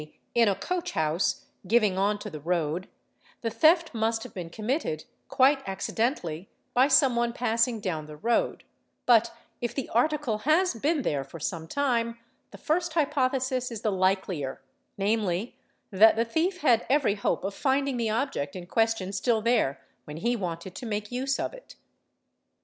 in a coach house giving on to the road, the theft must have been : committed, quite accidently, by some one passing down the road; but if 5 : the article has been there for some time the first hypothesis is the likeher, namely, that the thief had every hope of finding the object in question still there when he wanted to make use of it.